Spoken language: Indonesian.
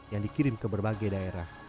yang dikirim ke berbagai daerah